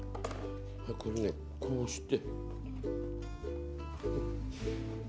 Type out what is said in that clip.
これねこうして。